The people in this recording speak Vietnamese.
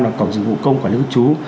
và cổng dịch vụ công của quản lý cư trú